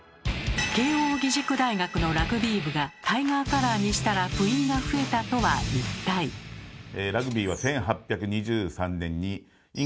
慶應義塾大学のラグビー部がタイガーカラーにしたら部員が増えたとは一体？とされています。